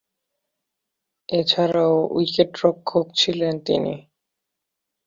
এছাড়াও উইকেট-রক্ষক ছিলেন তিনি।